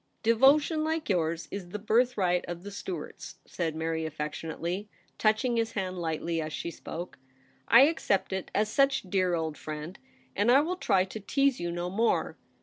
' Devotion like yours is the birthright of the Stuarts,' said Mary affectionately, touching his hand lightly as she spoke. * I accept it as such, dear old friend, and I will try to tease you no more.